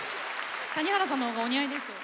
谷原さんの方がお似合いですよ。